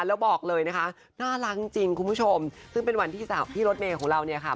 แล้วบอกเลยนะคะน่ารักจริงคุณผู้ชมซึ่งเป็นวันที่สาวพี่รถเมย์ของเราเนี่ยค่ะ